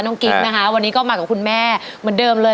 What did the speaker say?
กิ๊บนะคะวันนี้ก็มากับคุณแม่เหมือนเดิมเลย